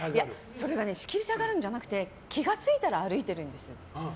率いたがるんじゃなくて気が付いたら歩いてるんです。